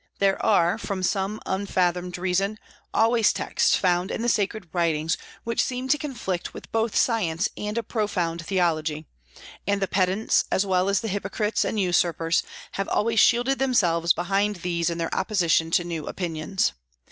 There are, from some unfathomed reason, always texts found in the sacred writings which seem to conflict with both science and a profound theology; and the pedants, as well as the hypocrites and usurpers, have always shielded themselves behind these in their opposition to new opinions.